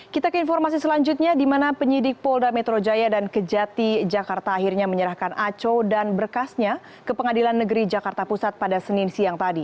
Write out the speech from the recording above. kita ke informasi selanjutnya di mana penyidik polda metro jaya dan kejati jakarta akhirnya menyerahkan aco dan berkasnya ke pengadilan negeri jakarta pusat pada senin siang tadi